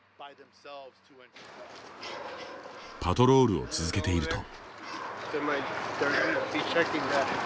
パトロールを続けていると。